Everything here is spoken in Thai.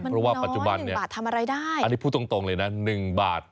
เพราะว่าปัจจุบันนี้อันนี้พูดตรงเลยนะ๑บาท